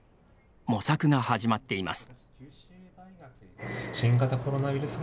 模索が始まっています。